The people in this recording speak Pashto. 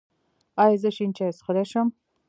ایا زه شین چای څښلی شم؟